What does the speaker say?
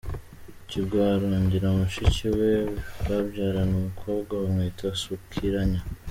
Kigwa arongora mushiki we, babyarana umukobwa, bamwita Sukiranya.